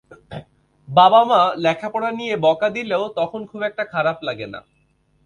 বাবা-মা লেখাপড়া নিয়ে বকা দিলেও তখন খুব একটা খারাপ লাগে না।